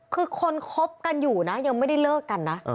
คือคนคบกันอยู่นะยังไม่ได้เลิกกันนะ